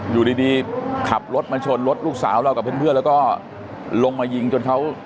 อยู่ดีขับรถมาชนรถลูกสาวเรากับเพื่อนแล้วก็ลงมายิงจนเขา